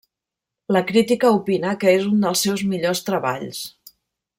La crítica opina que és un dels seus millors treballs.